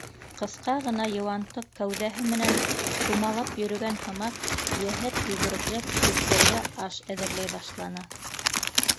Ҡыҫҡа ғына йыуантыҡ кәүҙәһе менән, тумалап йөрөгән һымаҡ, йәһәт йүгерекләп өҫтәлгә аш әҙерләй башланы.